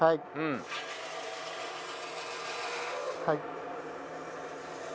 はい。